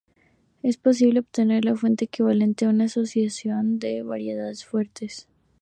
Es posible obtener la fuente equivalente de una asociación de varias fuentes reales.